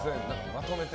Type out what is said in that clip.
まとめて。